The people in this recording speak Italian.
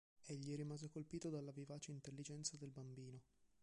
Egli rimase colpito dalla vivace intelligenza del bambino.